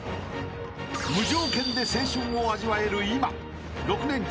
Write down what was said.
［無条件で青春を味わえる今］